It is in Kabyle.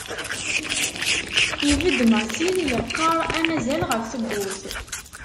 Ibedd Masil yeqqar anazal ɣef tewwurt.